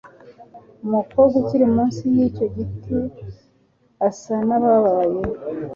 Umukobwa ukiri munsi yicyo giti asa nababaye